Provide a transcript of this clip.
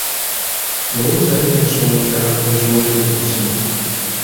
Lowoozaayo n'ensonga endala ozongere ku zino.